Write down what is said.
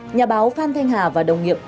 nhà báo phan thanh hà và đồng nghiệp